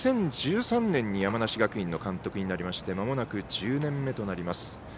２０１３年に山梨学院の監督になりましてまもなく１０年目となります。